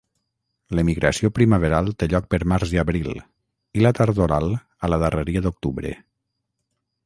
L'emigració primaveral té lloc per març i abril, i la tardoral a la darreria d'octubre.